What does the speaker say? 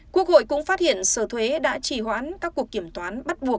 quốc hội cũng phát hiện sở thuế đã chỉ hoãn các cuộc kiểm toán bắt buộc